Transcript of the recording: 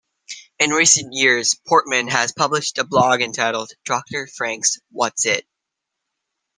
In recent years Portman has published a blog entitled Doctor Frank's What's-It.